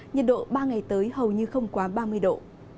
nhiệt độ ba ngày tới hầu như không quá ba mươi độ